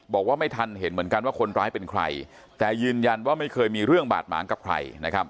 บอกว่าไม่ทันเห็นเหมือนกันว่าคนร้ายเป็นใครแต่ยืนยันว่าไม่เคยมีเรื่องบาดหมางกับใครนะครับ